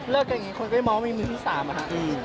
เลิกกันอย่างนี้คนก็ไม่มองว่ามีมือที่สามอะค่ะ